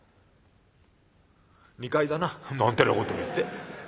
「２階だな」なんてなことを言って。